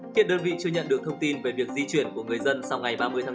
hiện đơn vị chưa nhận được thông tin về việc di chuyển của người dân sau ngày ba mươi tháng bốn